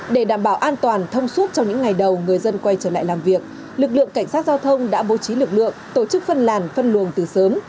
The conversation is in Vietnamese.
để đảm bảo an toàn thông suốt trong những ngày đầu người dân quay trở lại làm việc lực lượng cảnh sát giao thông đã bố trí lực lượng tổ chức phân làn phân luồng từ sớm